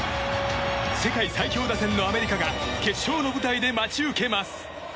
世界最強打線のアメリカが決勝の舞台で待ち受けます。